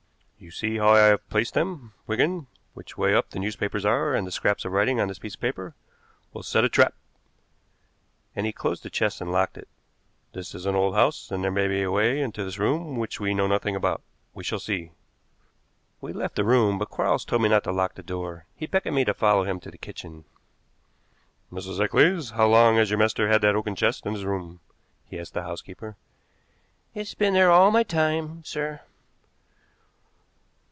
"You see how I have placed them, Wigan, which way up the newspapers are, and the scraps of writing on this piece of paper? We'll set a trap," and he closed the chest and locked it. "This is an old house, and there may be a way into this room which we know nothing about. We shall see." We left the room, but Quarles told me not to lock the door. He beckoned me to follow him to the kitchen. "Mrs. Eccles, how long has your master had that oaken chest in his room?" he asked the housekeeper. "It's been there all my time, sir."